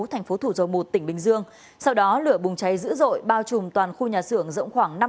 thành phố thủ dầu một tỉnh bình dương sau đó lửa bùng cháy dữ dội bao trùm toàn khu nhà xưởng rộng khoảng năm m